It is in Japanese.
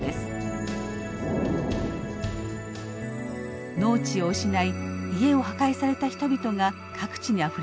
農地を失い家を破壊された人々が各地にあふれます。